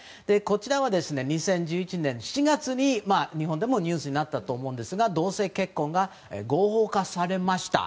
２０１１年４月に、日本でもニュースになったと思いますが同性結婚が合法化されました。